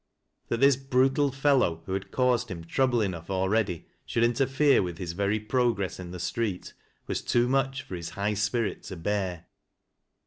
That this brutal fellow who had caused him trouble enough already, should interfere with his very progress in the street, was too much for his high iipirit to bear.